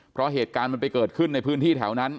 เพราะเหตุการณ์มันไปเกิดขึ้นในพื้นที่แถวนั้น